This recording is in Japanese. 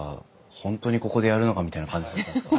本当にここでやるのかみたいな感じだったんですか？